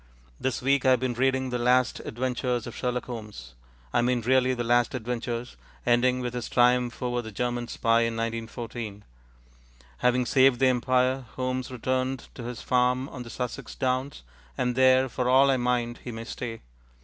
This week I have been reading the last adventures of Sherlock Holmes I mean really the last adventures, ending with his triumph over the German spy in 1914. Having saved the Empire, Holmes returned to his farm on the Sussex downs, and there, for all I mind, he may stay.